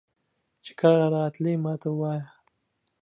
چې کله راتلې ماته وایه.